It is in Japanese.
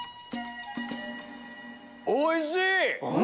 おいしい！